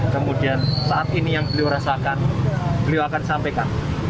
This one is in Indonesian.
kemudian saat ini yang beliau rasakan beliau akan sampaikan